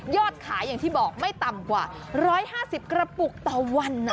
ขายอย่างที่บอกไม่ต่ำกว่า๑๕๐กระปุกต่อวัน